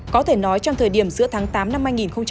có thể nói trong thời điểm giữa tháng tám năm hai nghìn hai mươi